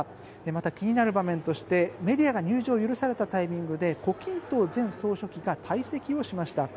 また、気になる場面としてメディアが入場を許されたタイミングで胡錦涛前総書記が退席をしました。